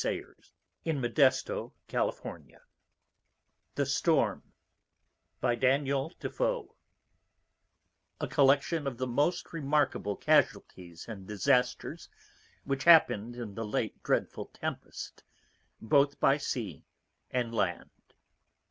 Mark up: italics THE STORM: OR, A COLLECTION Of the most Remarkable CASUALTIES AND DISASTERS Which happen'd in the Late Dreadful TEMPEST, BOTH BY SEA and LAND.